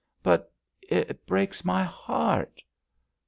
"But it breaks — my heart!"